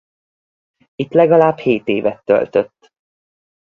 Itt legalább hét évet töltött.